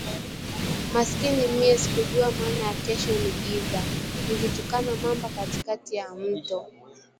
Masikini mie sikujua maana ya kesho ni giza, nilitukana mamba katikati ya mto